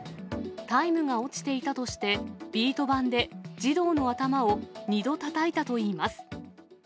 タイムが落ちていたとして、ビート板で、児童の頭を２度たたいたといいます。